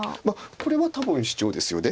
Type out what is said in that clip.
これは多分シチョウですよね。